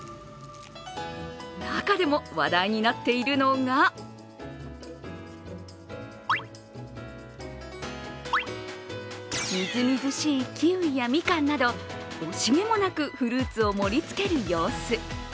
中でも話題になっているのがみずみずしいキウイやみかんなど惜しげもなくフルーツを盛りつける様子。